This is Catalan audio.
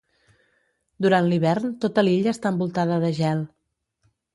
Durant l'hivern tota l'illa està envoltada de gel.